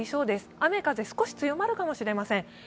雨、風、少し強まるかもしれません。